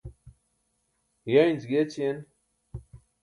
hiẏanc giyaćiyen